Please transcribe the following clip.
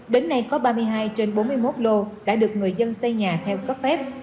đến nay có ba mươi hai trên bốn mươi một lô đã được người dân xây nhà theo cấp phép